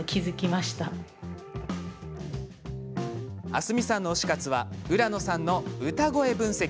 あすみさんの推し活は浦野さんの歌声分析。